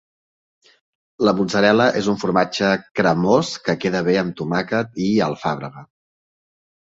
La mozzarella és un formatge cremós que queda bé amb tomàquet i alfàbrega.